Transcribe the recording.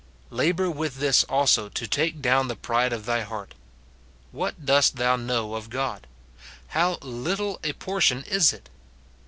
Labour with this also to take down the pride of thy heart. What dost thou know of God ? How little a portion is it